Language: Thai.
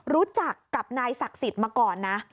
รู้จักกับนายศักดิ์สิทธิ์มาก่อนนะ